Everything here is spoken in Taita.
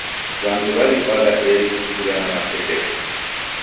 W'andu w'alipagha eri kuzighana masekesho.